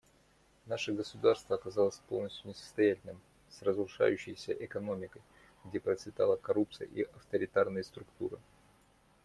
Наше государство оказалось полностью несостоятельным с разрушающейся экономикой, где процветала коррупция и авторитарные структуры.